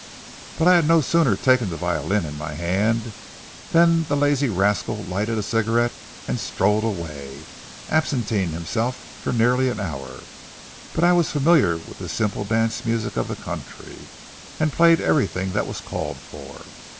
But I had no sooner taken the violin in my hand than the lazy rascal lighted a cigarette and strolled away, absenting himself for nearly an hour. But I was familiar with the simple dance music of the country, and played everything that was called for.